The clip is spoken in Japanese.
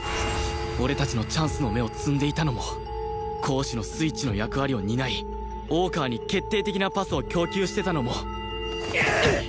俺たちのチャンスの芽を摘んでいたのも攻守のスイッチの役割を担い大川に決定的なパスを供給してたのもうおおっ！